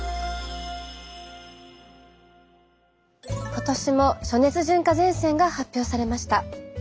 今年も「暑熱順化前線」が発表されました。